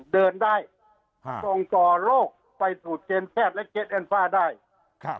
เดินได้ค่ะส่งต่อโรคไปสู่เจนแพทย์และเก็ตแอนฟ่าได้ครับ